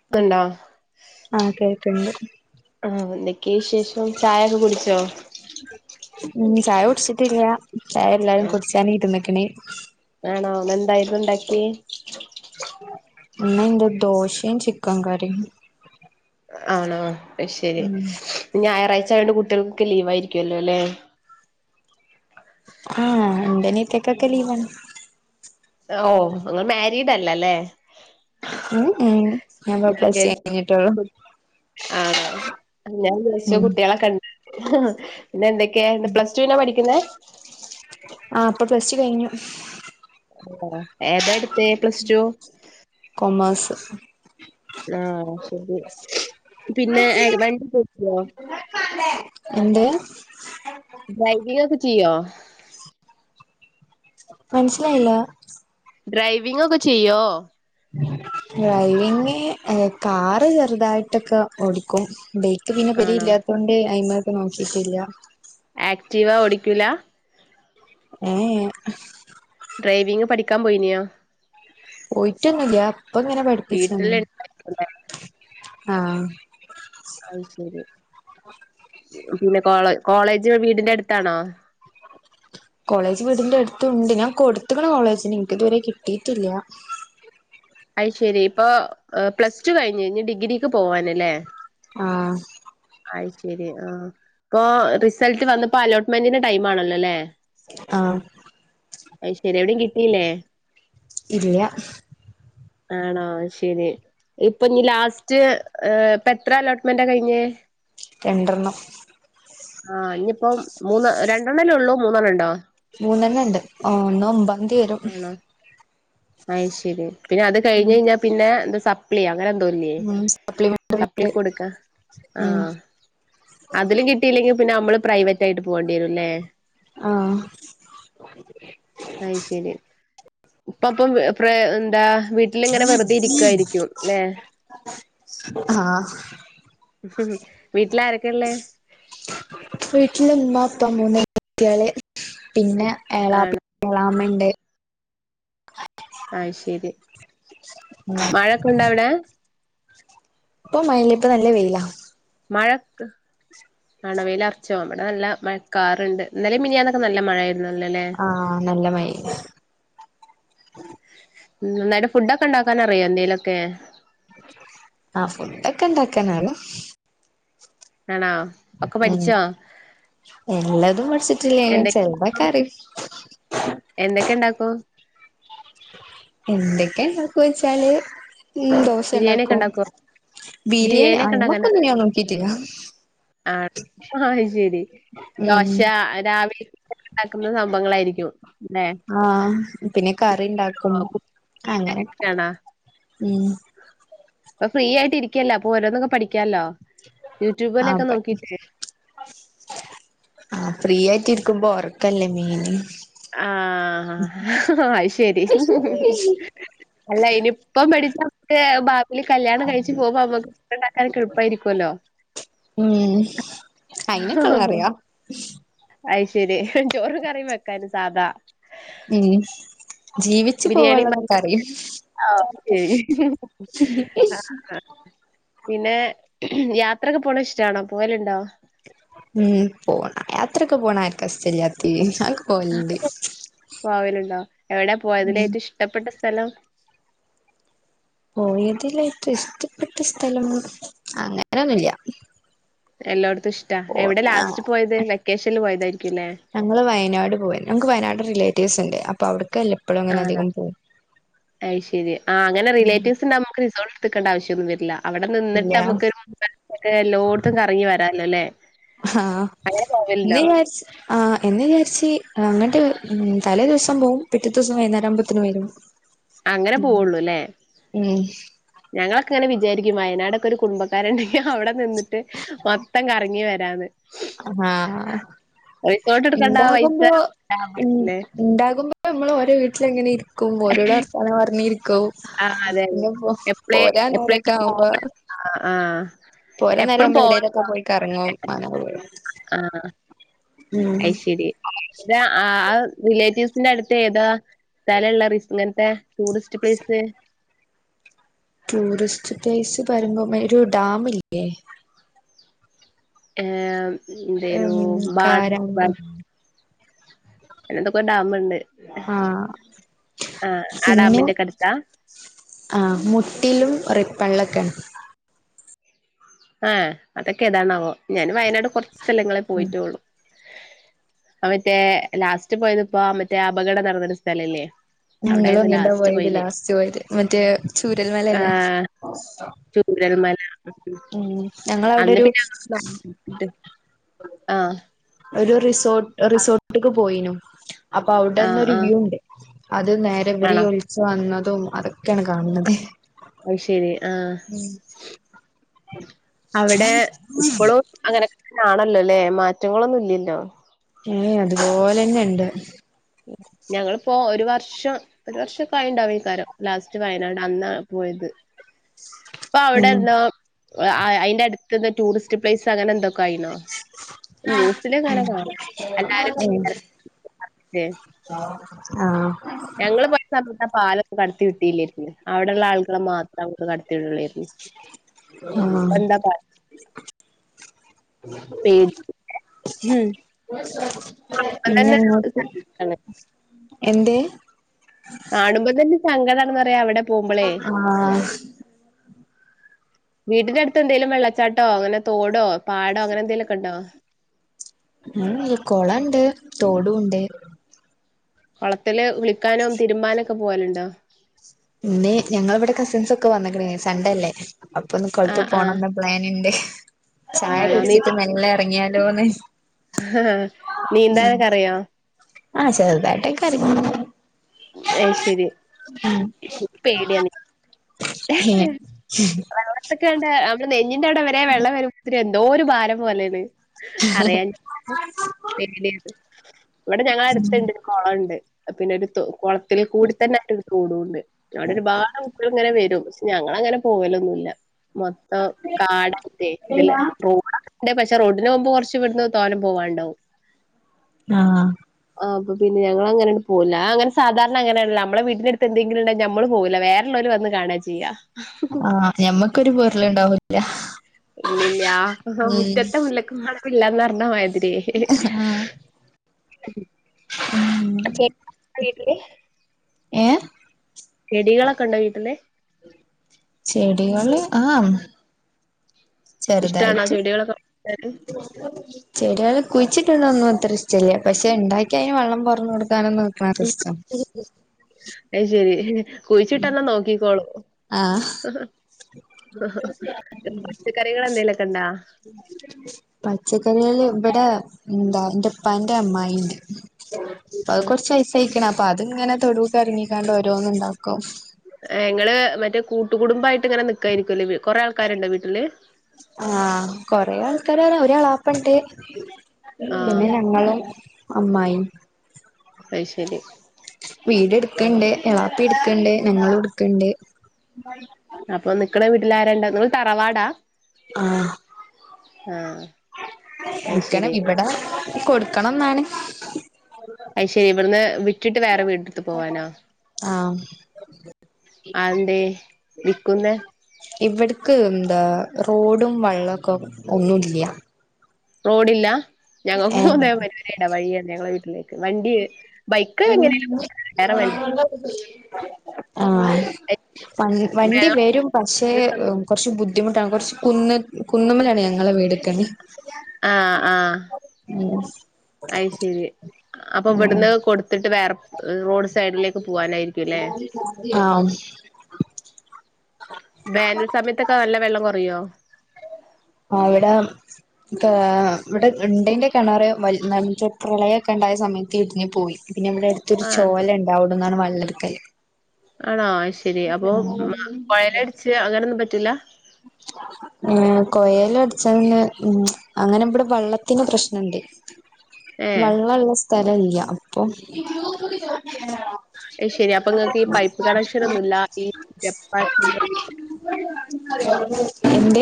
[unintelligible] ആഹ്, കേൾക്ക്ണ്ട്. ആഹ്, എന്തൊക്കെ വിശേഷം. ചായൊക്കെ കുടിച്ചോ? ഉം, ചായ കുടിച്ചിട്ടില്ല. ചായ എല്ലാരും ആഹ് കുടിച്ചാന് ഇരുന്ന്ക്ക്ണ്. ആണോ ന്ന് എന്തായിരുന്നു ഇണ്ടാക്കിയേ? ഇന്നെന്ത്, ദോശിം ചിക്കൻ കറിം. ആണോ, ശെരി. ഉം ഞ് ഞായറാഴ്ച ആയോണ്ട് കുട്ടിയൾക്കൊക്കെ ലീവ് ആയിരിക്കുല്ലോല്ലേ? ആഹ്, ഇന്റനിയത്തിക്കൊക്കെ ലീവാണ്. ഓ! ങ്ങൾ മാരിഡ് അല്ല ല്ലേ? [unintelligible] ഞാൻ പ്പൊ പ്ലസ് റ്റു കഴിഞ്ഞിട്ടുള്ളൂ. ആഹ്, ഞാൻ ചോദിച്ച ഉം കുട്ടിയളൊക്കെ പിന്നെ എന്തൊക്കെയാ ന്താ പ്ലസ് ടുവിനാ പഠിക്കുന്നെ? ആഹ്, ഇപ്പൊ പ്ലസ്റ്റു കഴിഞ്ഞു. ഏതാ എടുത്തെ പ്ലസ് ടു? കോമേഴ്സ്. ആഹ്, ശരി പിന്നെ [unintelligible] എന്ത്? ഡ്രൈവിങ്ങൊക്കെ ചെയ്യോ? മനസിലായില്ല? ഡ്രൈവിംഗ് ഒക്കെ ചെയ്യോ? ഡ്രൈവിങ് എ കാറ് ചെറുതായിട്ടൊക്കെ ഓടിക്കും. ത്ത് പിന്നെ പെരീൽ ആണോ ഇല്ലാത്തൊണ്ട് അയി്മക്ക് നോക്കിട്ടില്ല. ആക്റ്റീവാ ഓടിക്കൂല? ഏ ഏ ഡ്രൈവിംഗ് പഠിക്കാൻ പോയി നോ? പോയിട്ടൊന്നുല്ല, ഇപ്പ ഇങ്ങനെ വീട്ടില് പഠിപ്പിച്ചന്നതാ. ഉണ്ടായിരിക്കുംല്ലേ ആഹ് അത് ശരി, പിന്നെ കോള കോളേജ് വീടിന്റെ അടുത്താണോ? കോളേജ് വീടിന്റെ അടുത്തുണ്ട്. ഞാൻ കൊടുത്ത്ക്ക്ണ് കോളേജില്, ഇൻക്ക് ഇതുവരെ കിട്ടിട്ടില്ല. അയി ശെരി. ഇപ്പൊ പ്ലസ് ടു കഴിഞ്ഞ് ഇനി ഡിഗ്രിക്ക് പോവാന്ല്ലേ? ആഹ് അയ് ശരി, ആ ഇപ്പൊ റിസൾട്ട് വന്നപ്പോ അലോട്ട്മെന്റിന്റെ ടൈം ആണല്ല ല്ലേ? ആഹ് അയ് ശരി എവിടിം കിട്ടീല്ലേ? ഇല്ല. ആണോ, അത് ശരി. ഇപ്പൊ ഇഞ്ഞ് ലാസ്റ്റ് ഇപ്പ എത്ര അലോട്ട്മെന്റ കഴിഞ്ഞേ? രണ്ടെണ്ണം. ആഹ്, ഇഞ്ഞ്പ്പം മൂന്ന് രണ്ടെണ്ണല്ലേ ഉള്ളൂ മൂന്നെണ്ണം ഉണ്ടോ? മൂന്നെണ്ണണ്ട്, ഒന്ന് ഒമ്പാന്തി വരും. അയ് ശരി, പിന്നെ അത് കഴിഞ്ഞഴിഞ്ഞാ പിന്നെ ഇത് സ- 'പ്ലി 'അങ്ങനെന്തോല്ലേ ഉം സപ്ലിമെന്ററി സപ്ലിക്ക് കൊടുക്ക. ഉം ആഹ്. അതിലും കിട്ടിയില്ലെങ്കിൽ പിന്നെ മ്മള് പ്രൈവറ്റ് ആയിട്ട് പോവണ്ടിയേരുല്ലേ? ആഹ്. അയ് ശരി. പ്പപ്പം പ്രേ എന്താ വി ട്ടിലിങ്ങനെ വെറുതെ ഇരിക്കായിരിക്കും ല്ലെ? ആഹ് വീട്ടിലാരൊക്കെ ള്ളേ? വീട്ടില് ഇമ്മ ഇപ്പ മൂന്ന് കുട്ട്യാള്, പിന്നെ ആണ് എളാപ്പിം ഏളാമണ്ട്. ആയ് ശരി, മഴൊക്കെ ഉണ്ടോവ്ടെ? ഇപ്പം മയല്ല ഇപ്പ നല്ല വെയിലാ. മഴക്ക് ആണോ വെയ്‌ലർച്ചോ? നല്ല മഴക്കാറ്ണ്ട്. ഇന്നലിം മിനിയാന്നൊക്കെ നല്ല മഴായിരുന്നുന്നല്ലോ ല്ലേ? ആഹ് നല്ല മഴയാ ഉം നന്നായിട്ട് ഫുഡ്ഡൊക്കെ ഉണ്ടാക്കാനറിയോ എന്തേലൊക്കെ? ആഹ് ഫുഡൊക്കെ ഇണ്ടാക്കാനറിം. വേണോ? ഉം എല്ലതും പഠിച്ചിട്ടില്ലേലും എന്തൊ ചെറുതൊക്കറിയും. എന്തൊക്കെ ഇണ്ടാക്കും? എന്തൊക്കെ ഇണ്ടാക്കോച്ചാല് ഉം ബിരിയാണി ഒക്കെ ദോശണ്ടാക്കും. ഇണ്ടാക്കോ ബിരിയേണി ബിരിയാണി ഒക്കെ അയ്മ്മക്കൊന്നും ഞാൻ നോക്കീട്ടില്ല. ആ ആ ശരി ഉം ദോശ രാവി ക്കുണ്ടാക്കുന്ന സംഭങ്ങളായിരിക്കും. ആഹ പിന്നെ കറി ഇണ്ടാക്കും അങ്ങനൊക്കെ ഉം. പ്പോ ഫ്രീ ആയിട്ട് ഇരിക്കല്ലേ അപ്പൊ ഓരോന്നൊക്കെ പഠിക്കാല്ലോ യൂട്യൂബല്ക്കെ അപ്പ നോക്കീട്ട്. ആ ഫ്രീ ആയിട്ടിരിക്കുമ്പോ ഒറക്കല്ലേ മെയിൻ. ആ അയ്ശെരി. അല്ല ഇനിയിപ്പം പഠിച്ചാമ്മക്ക് ബാ ൽ കല്യാണം കഴിച്ച് പോവുമ്പോമ്മക്ക് ഫുഡുണ്ടാക്കാനൊക്കെ എളുപ്പായിരിക്കല്ലോ. ഉം അയിനൊക്കെള്ളറിയാ. അയ് ശരി ചോറും കറിം വെക്കാന് സാധാ. ഉം. ജീവിച്ചു ബിരിയാണി പോവാള്ളതൊക്കറിയും. ആഹ് ശരി. ആഹ് പിന്നെ യാത്രൊക്കെ പോണഷ്ടാണോ പോവ് ലുണ്ടോ? ഉം പോണ് യാത്രൊക്കെ പോണ ആർക്ക ഇസ്റ്റല്ലാത്തെ അഹ് പോവലുണ്ടോ എവിട ഉം പോയതിലേറ്റം ഇഷ്ടപ്പെട്ട സ്ഥലം? പോയതിലേറ്റം ഇസ്റ്റപ്പെട്ട സ്ഥലം അങ്ങനൊന്നുല്ല. എല്ലോടൊത്തുഷ്ടാ. പോ എവിടെ ആഹ് ലാസ്റ്റ് പോയത് വെക്കേഷൻല് പോയതായിരിക്കുല്ലേ? ഞങ്ങള് വയനാട് പോയെ. ഞങ്ങക്ക് വയനാട് റിലേറ്റീവ്സ്ണ്ട് അപ്പൊ അവ്ട്ക്കെല്ലെ ആണ അയ്ശരി ആ അങ്ങനെ റിലേറ്റീവ്സുണ്ടാവുബോ നമുക്ക് റിസോട്ട് ത്ത്ക്കണ്ട ആവശ്യൊന്നു വര്ല്ലാ അവടെ ഇല്ല നിന്നിട്ടമ്മക്ക് [inaudible] എല്ലോട്ത്തും കറങ്ങി വരാല്ലോല്ലേ? ആഹ് ഇന്നിയാരിച്ച് ആ പിന്നെചാരിച്ച് അങ്ങട്ട് തലേ ദിവസം പോവും പിറ്റത്തുസം വൈന്നാരാവുമ്പത്തിന് വരും. അങ്ങന പോവൊള്ളു ല്ലേ? ഉം ഞങ്ങളൊക്കെങ്ങനെ വിചാരിക്കും വയനാടൊക്കൊരു കുടുംബക്കാര്ണ്ടെങ്കിൽ അവിടെ നിന്നിട്ട് വ ത്തം കറങ്ങി വരാന്ന്. ആഹ് റിസോർട്ട് എടുക്കണ്ട പൈസ ഇണ്ടാകുമ്പോ ലാഭാ ഇൺ ല്ലേ ഇണ്ടാകുമ്പോ നമ്മൾ ഓരോ വീട്ടിലങ്ങിനിരിക്കും ഓരോട് വർത്താനം പറഞ്ഞിരിക്കും. ആ അതെ അതെ പിന്നെ പോ എപ്പളേ പോരാ നേരൊക്കെ എപ്പളേലും ആവുമ്പോ പോകുമ്പോ ആ ആ പോര എപ്പഴും നേരം ആവുബോ എടേ ലൊക്കെ പോയി കറങ്ങും മ ആ അയ്ശരി ആ റിലേറ്റീവ്സിന്റെ അടുത്ത് ഏതാ സ്ഥലള്ള ഇങ്ങനത്തെ ടൂറിസ്റ്റ് പ്ലേസ് ടൂറിസ്റ്റ് പ്ലേസ് വരുമ്പോ ഒരു ഡാം ഇല്ലേ? ഹേ എന്തേനു ഉം ബാ കാരാമ്പ് അന്തൊക്കെ ഡാമുണ്ട്. ആ ആഹ് ആ പിന്നേ ഡാമിന്റെക്കെ അടുത്താ ആ മുട്ടിലും റെപ്പള്ളൊക്കെയാണ് ആ അതൊക്കെ ഏതാണാവോ ഞാന് വയനാട് കുറച്ച് സ്ഥലങ്ങളെ ഉം പോയിട്ടോള്ളു അ മറ്റേ ലാസ്റ്റ് പോയത് ഇപ്പോ മറ്റേ അപകടം നടന്നൊരു സ്ഥലല്ലേ ഞങ്ങളും അവിടായിരുന്നു അങ്ങണ്ടാ ലാസ്റ്റ് പോയത് പോയിന് ലാസ്റ്റ് പോയത് മറ്റേ ചൂരൽ മലല്ലേ ആഹ് ചൂരൽമല ഞങ്ങളവിടെ അന്ന് ഒരു പിന്നെ [unintelligible] ആ ഒരു റിസോ് റിസോർട്ടക്ക് പോയിനു അപ്പൊ അവിടെന്ന ആഹ് ഒരു ആഹ് വ്യൂ ഉണ്ട് അത് നേരെവരെ ആണോ ഒ സോ അന്നതും അതൊക്കെയാണ് കാണ് ണത്. അഹ് ശരി ആ അവിടെ ഇപ്പളും അങ്ങനെക്കെ ആ ണല്ലോല്ലേ മാറ്റങ്ങളൊന്നും ഇല്ലല്ലോ ഏ അതുപോലെന്നെണ്ട്. ഞങ്ങളിപ്പോ ഒരു വർഷം ഒരു വർഷംക്കെആയിണ്ടാവുയ് ക്കാരം ലാസ്റ്റ് വയനാട് അന്നാ പോയത്. പ്പൊ ഉം അവിടെന്നോ അഅയ്ന്റെ അടുത്ത്ന്ന് ടൂറിസ്റ്റ് പ്ലേസ് അങ്ങനെ എന്തൊക്കെ ആയിന്നോ? ന്യൂസിലിങ്ങനെ കാണ എല്ലാരും ഏഹ് [unintelligible] ആഹ് ഞങ്ങള് പോയ സമയത്ത് ആ പാലൊന്നും കടത്തി വിട്ടീല്ലെർന്ന് അവിടെള്ള ആളുകളെ മാത്രം അങ്ങാട്ട് കടത്തിവിടൊള്ളേരുന്നു. ആഹ് പേടി ഉം [inaudible] പിന്നെ ഇപ്പതന്നെ എന്ത് കാണുമ്പോ തന്നെ സംങ്കതാണെന്ന്റയാ അവിടെ പോകുമ്പോളെ. ആഹ് വീടിന്റെടുത്ത് എന്തേലും വെള്ളച്ചാട്ടോ അങ്ങനെ തൊടോ പാടോ അങ്ങനെ എന്തെലോക്കെ ണ്ടോ? ഉം കുളണ്ട് തോടുംണ്ട്. കുളത്തില് വിളിക്കാനോ തിരുമ്പാന ഒക്കെ പോവലുണ്ടോ? ഇന്ന് ഞങ്ങളിവിടെ കസിൻസ് ഒക്കെ വന്നക്ക്ണ് സൺണ്ടേ അല്ലേ അപ്പൊ ഒന്ന് കൊളത്ത് ആഹ് ആഹ് പോണംന്ന് പ്ലാനുണ്ട് ഹ് ചായ ആണോ നീന്ത കുടിച്ചിട്ട് മെല്ല ഇറങ്ങിയാലോന്ന് ആഹ്. ഉം. നീന്താനൊക്കെ അറിയോ ആഹ് ചെറുതായിട്ടൊ [unintelligible] ആയിഷരി ന്ക്ക് പേടിയാണ് ഏഹ് വെള്ളത്തൊക്കെ കണ്ട് നമ്മള് നെഞ്ഞിന്റെ അവിടെ വരെ വെള്ളം വരും ഇ എന്തോ ഒരു ഭാരം പോലെന്ന് അറിയൻ [unintelligible] ഇവിടെ ഞങ്ങള അടുത്തണ്ട് കൊളം ണ്ട് പിന്നെ ഒരു തൊ കൊ ത്തിൽ കൂടി തന്നെ ഒരു കൂടുണ്ട് അവിടെനെ ബാറെ കുട്ട്യാൾ ഇങ്ങനെ വ [inaudible] ഞങ്ങങ്ങനെ പോവലൊന്നുല്യ മൊത്തം കാടായ്റ്റെ ഇതിലെ റോഡ ടെ പക്ഷേ റോഡിന് നോകുമ്പോ കുറച്ച് ഇവിടുന്ന് തോനെ പോവാ ഇണ്ടാവും ആഹ് ആഹ് അപ്പൊ പിന്നെ ഞങ്ങളങ്ങനെ പോല അങ്ങനെ സാധാരണ അങ്ങനല്ല നമ്മള വീടിന്റെ എട്ത്ത് എന്തങ്കിലും ഉണ്ട നമ്മളും പോല്ല വേറെ ഇന്ന് ഓല് വന്ന് കാണാ ചെയ്യാ ആഹ് ഞമ്മക്കൊരു പൊരുളുണ്ടാവില്ല ഇല്ലില്ല ആഹ് മുറ്റത്തെ മുല്ലക്കും മണമില്ലന്ന് അറിഞ്ഞ മാതിരി [inaudible] [unintelligible] വീട്ടില് ഏ ചെടികളൊക്കെ ഉണ്ടോ വീട്ടില്? ചെടികള് ആഹ് ഇഷ്ടമാണോ ചെറുതായിറ്റ് ചെടികളൊക്കെ വളർത്താൻ? ചെടികൾ കുഴിച്ചിട്ടുണ്ടൊന്നുംത്ര ഇഷ്ടല്യ പക്ഷെ ഉണ്ടാക്കി അതിന് വെള്ളം പാർന്ന് കൊട്ക്കാനൊന്നും [unintelligible] അയ് ശരി കുഴിച്ചിട്ട്ന്ന നോക്കിക്കോളും. ആഹ് ആഹ് ആഹ് പച്ചക്കറികൾ എന്തെലുക്കണ്ടാ? പച്ചക്കറികള് ഇവിടെ എന്താ എന്റെപ്പാന്റെ അമ്മായി ണ്ട് അത് കൊർച്ച് വൈസയ്ക്ക്ണ് അപ്പൊ അത്ങ്ങനെ തൊടുക്ക് എർങ്ങിക്കാണ്ട് ഓരോന്ന്ണ്ടാക്കും. ഏ ങ്ങള് മറ്റേ കൂട്ടുകുടുംബായിട്ട് ങ്ങനെ നിക്കാായിരിക്കുംല്ലേ കുറെ ആൾക്കാരുണ്ടോ വീട്ടില്? ആഹ് കൊറേ ആൾക്കാര് റ ഒരാളാപ്പണ്ട് ആഹ് പിന്നെ ഞങ്ങള് അമ്മായിം. അയ്ശരി വീട് എടുക്കണ്ട് എളാപ്പിട്ക്കണ്ട് ഞങ്ങള് എടുക്കണ്ട്. അപ്പൊ നിക്ക്ണ വീട്ടിലാരണ്ട ങ്ങള് തറവാടാ? ആഹ് ആഹ് അത് വിക്കണം ശെരി ഇവിടെ കൊടുക്കണംന്നാണ്. അയ്ശരി ഇവിടുന്ന് വിറ്റിട്ട് വേറെ വീട് ട് ത്ത് പോവാനോ? ആഹ് അഹന്തെ വിക്കുന്നെ? ഇവിടക്ക് എന്താ റോഡും വള്ളൊക്കെ ഒന്നും ഇല്യ. റോഡില്ല ഞങ്ങക്ക് ഏഹ് ഇതേ മാതിരിയെന്നെ ഒരിട വഴിയ ഞങ്ങളെ വീട്ടില് വണ്ടി ബൈക്ക് എങ്ങനെയ വേറെ വണ്ടി ആ വ വണ്ടി വരും പക്ഷേ വെള്ളം കുറച്ചു ബുദ്ധിമുട്ടാണ് കുറച്ച് കുന്ന കുന്നമ്മലാണ് ഞങ്ങളെ വീടക്കെ ആ ആ ഉം അയ് ശരി അപ്പൊ ഇവിടുന്ന് കൊടുത്തിട്ട് വേറെ റോഡ് സൈഡിലേക്ക് പോവാനായിരി ആ വേനൽ സമയത്തൊക്കെ നല്ല വെള്ളം കുറയോ ആ അവിടെ ഇ ഇവിടെ ഇണ്ടേൻ്റെ കിണറ് വ പ്രളയക്കെ ഉണ്ടായ സമയത്ത് ഇടിഞ്ഞ് പോയി പിന്നെ ഇവ്ടെ അടുത്തൊരു ആഹ് ചോല ഇണ്ട് അവിടുന്നാണ് വള്ളട്ക്കൽ ആണോ അയ്ശെരി അപ്പൊ കൊഴലടിച്ച് അങ്ങനൊന്നും പറ്റില്ല കൊയൽ അടിച്ചന്ന് ഉ അങ്ങനെ ഇവിടെ വെള്ളത്തിന് പ്രശ്നണ്ട് ഏഹ് വെള്ളള്ള സ്ഥല ഇല്യ അപ്പൊ ശരി അപ്പൊ ഇങ്ങക്ക് ഈ പൈപ്പ് കണക്ഷൻ ഒന്നുല്ല ഇ ജപ്പാൻ കുടി എന്ത്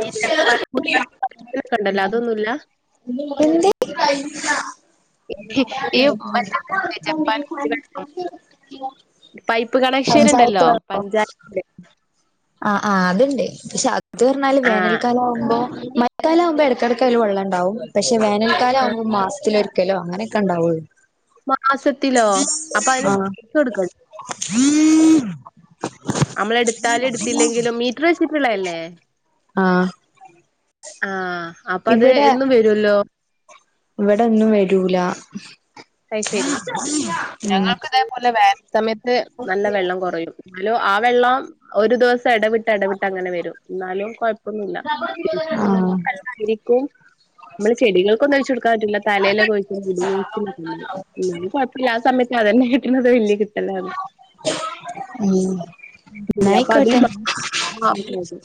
ഈ ജപ്പാൻ കുടിവെള്ള പൈപ്പിലൊക്കെ ഉണ്ടല്ലോ അതൊന്നുല്ല [inaudible] എന്ത് ഈ മറ്റേതില്ലേ ജപ്പാൻ കുടിവെള്ളം [inaudible] പൈപ്പ് കണക്ഷൻ പഞ്ചായത്ത് ഇണ്ടല്ലോ പഞ്ചായ ആ ആ അത് ണ്ട് പക്ഷെ അത്ർ ഞ്ഞാല് ആഹ് വേനൽക്കാലം ആവുമ്പോ ൽക്കാലാവുമ്പോ ഇടക്ക് ഇടക്ക് അയില് വെള്ളം ഇണ്ടാവും പക്ഷേ ആഹ് വേനൽക്കാലാവുമ്പോ മാസത്തിലൊരിക്കലോ അങ്ങനൊക്കെ ഇണ്ടാവൂള്ളൂ മാസത്തിലോ അപ്പൊ അയിന് ആഹ് [unintelligible] [inaudible] അമ്മളെടുത്താലും എടുത്തില്ലെങ്കിലും മീറ്റർ വെച്ചിട്ടുള്ളല്ലേ? ആ ആ അപ്പ അത് ഇവിടെ എന്നും വരുല്ലോ. ഇവിടെ ഒന്നും വരൂല. അയ്ശരി ഉം ഞങ്ങക്ക് ഇതേപോലെ വേനൽ സമയത്ത് നല്ല വെള്ളം കൊറയു ഹലോ ആ വെള്ളം ഒരു ദിവസം ഇടവി എടവിട്ട് അങ്ങനെ വരും എന്നാലും കുഴപ്പൊന്നുല്ല. ആഹ് യിരിക്കും നമ്മള് ചെടികൾക്കൊന്നും ഒഴിച്ച് കൊടുക്കാൻ പറ്റുല്ല തലേലൊക്കെഴിക്കും മുടി കൊഴിചി കൊഴപ്പില്ല ആ സമയത്ത് അതന്നെ കിട്ടണത് വല്യ കിട്ടലാണ് ഉം ശരി അപ്പൊ ന്നായിക്കോട്ടെ അതിന ആ അത അതെ